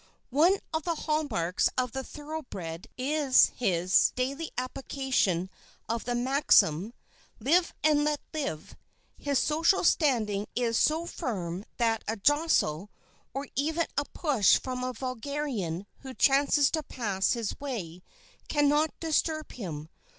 One of the hall marks of the thoroughbred is his daily application of the maxim, "Live and let live." His social standing is so firm that a jostle, or even a push from a vulgarian who chances to pass his way, can not disturb him.